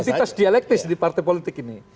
itu entitas dialektis di partai politik ini